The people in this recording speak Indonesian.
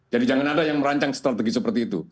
jadi jangan ada yang merancang strategi seperti itu